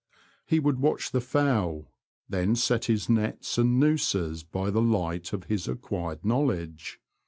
He would watch the fowl, then set his nets and noozes by the light of his acquired knowledge.